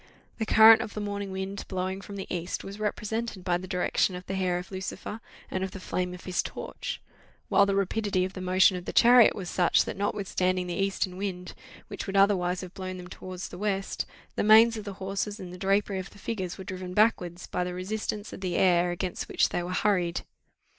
The current of the morning wind blowing from the east was represented by the direction of the hair of Lucifer, and of the flame of his torch; while the rapidity of the motion of the chariot was such, that, notwithstanding the eastern wind, which would otherwise have blown them towards the west, the manes of the horses, and the drapery of the figures, were driven backwards, by the resistance of the air against which they were hurried.